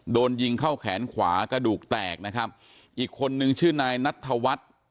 โดนยิงเข้าแขนขวากระดูกแตกนะครับอีกคนนึงชื่อนายนัทธวัฒน์